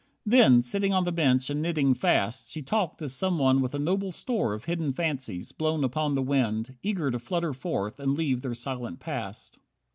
Then, sitting on the bench and knitting fast, She talked as someone with a noble store Of hidden fancies, blown upon the wind, Eager to flutter forth and leave their silent past.